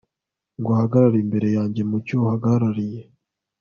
ngo ahagarare imbere yanjye mu cyuho ahagarariye